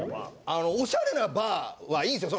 オシャレなバーはいいんですよ。